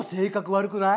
悪くない？